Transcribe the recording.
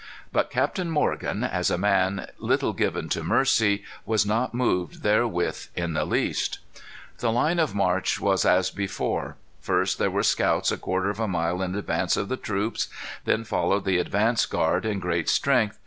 But Captain Morgan, as a man little given to mercy, was not moved therewith in the least." The line of march was as before. First there were scouts a quarter of a mile in advance of the troops. Then followed the advance guard in great strength.